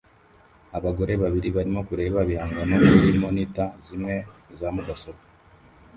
Abagore babiri barimo kureba ibihangano kuri monitor zimwe za mudasobwa